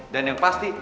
dan yang pasti